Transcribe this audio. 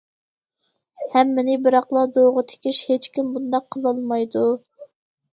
ھەممىنى بىراقلا دوغا تىكىش، ھېچكىم بۇنداق قىلالمايدۇ.